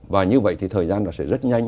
và như vậy thì thời gian nó sẽ rất nhanh